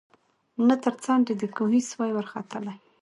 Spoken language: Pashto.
نه تر څنډی د کوهي سوای ورختلای